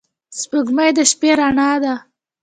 سپوږمۍ د شپې رڼا ده